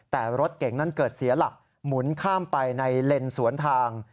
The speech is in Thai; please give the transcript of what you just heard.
แต่รถเก่งนั้นเกิดเสียหลักหมุนข้ามไปในเลนสวนทาง